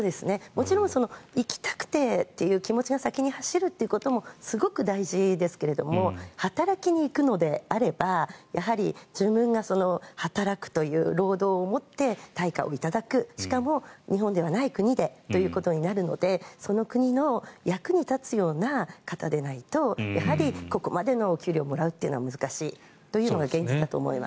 もちろん行きたくてという気持ちが先に走るということもすごく大事ですけれども働きに行くのであればやはり、自分が働くという労働をもって対価を頂くしかも、日本ではない国でということになるのでその国の役に立つような方でないとやはりここまでのお給料をもらうというのは難しいのが現実だと思います。